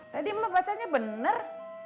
tadi emak bacanya bener